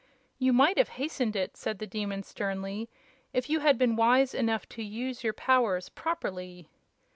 "You might have hastened it," said the Demon, sternly, "if you had been wise enough to use your powers properly."